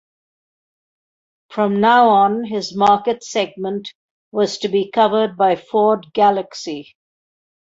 From now on his market segment was to be covered by Ford Galaxy.